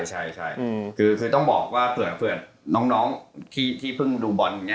ใช่คือต้องบอกว่าเผื่อน้องที่เพิ่งดูบอลอย่างนี้